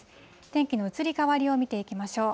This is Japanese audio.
天気の移り変わりを見ていきましょう。